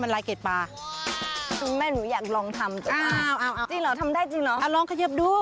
เราทำดีที่สุด